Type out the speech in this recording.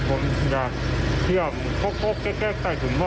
อ่ออ้อออกไปฮั่วนอกครับ